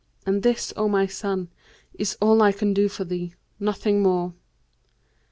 And this, O my son, is all I can do for thee, nothing more.'